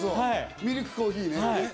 ミルクコーヒー。